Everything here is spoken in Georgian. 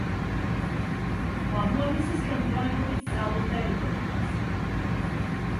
ბაბუამისის ხელმძღვანელობით სწავლობდა რიტორიკას.